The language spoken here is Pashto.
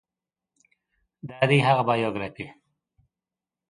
دا دی هغه بایوګرافي